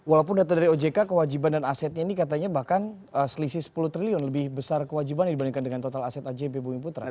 walaupun data dari ojk kewajiban dan asetnya ini katanya bahkan selisih sepuluh triliun lebih besar kewajiban dibandingkan dengan total aset ajb bumi putra